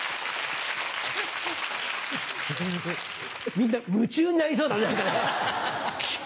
みんな夢中になりそうだね。